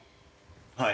はい。